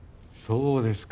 そうです